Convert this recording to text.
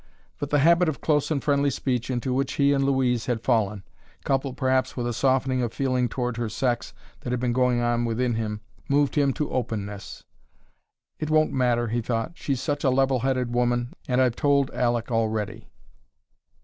But the habit of close and friendly speech into which he and Louise had fallen, coupled perhaps with a softening of feeling toward her sex that had been going on within him, moved him to openness. "It won't matter," he thought. "She's such a level headed woman; and I've told Aleck already."